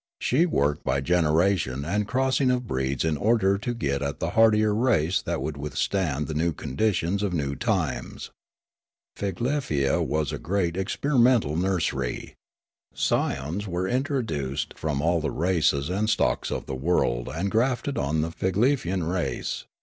She worked b}' generation and crossing of breeds in order to get at the hardier race that w'ould withstand the new conditions of new times. Figlefia was a great experimental nursery. Scions were intro duced from all the races and stocks of the world and grafted on the Figlefian race.